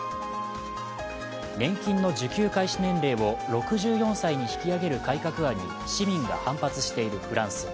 年金の受給開始年齢を６４歳に引き上げる改革案に市民が反発しているフランス。